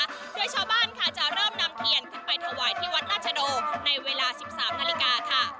โดยชาวบ้านค่ะจะเริ่มนำเทียนขึ้นไปถวายที่วัดราชโดในเวลา๑๓นาฬิกาค่ะ